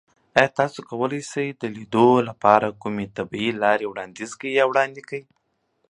ایا تاسو کولی شئ د لیدو لپاره کومې طبیعي لارې وړاندیز کړئ؟